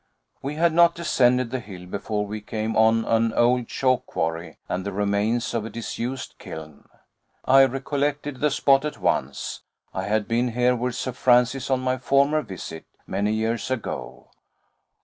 We had not descended the hill before we came on an old chalk quarry and the remains of a disused kiln. I recollected the spot at once. I had been here with Sir Francis on my former visit, many years ago.